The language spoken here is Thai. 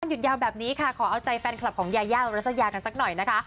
หยุดยาวแบบนี้ค่ะขอเอาใจแฟนคลับของยายาอุรัสยากันสักหน่อยนะคะ